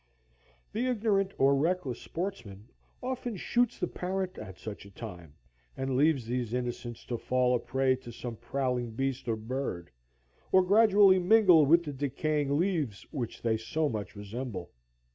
The ignorant or reckless sportsman often shoots the parent at such a time, and leaves these innocents to fall a prey to some prowling beast or bird, or gradually mingle with the decaying leaves which they so much resemble.